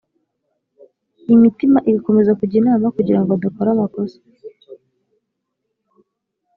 Imitima igakomeza kujya inama kugirango adakora amakosa